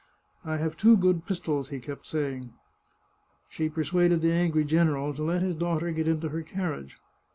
" I have two good pistols," he kept saying. She per suaded the angry general to let his daughter get into her carriage.